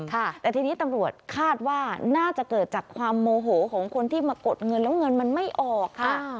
แต่ทีนี้ตำรวจคาดว่าน่าจะเกิดจากความโมโหของคนที่มากดเงินแล้วเงินมันไม่ออกค่ะ